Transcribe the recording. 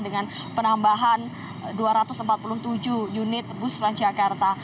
dengan penambahan dua ratus empat puluh tujuh unit bus transjakarta